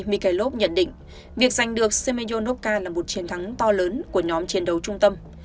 mikhailov nhận định việc giành được semyonovka là một chiến thắng to lớn của nhóm chiến đấu trung tâm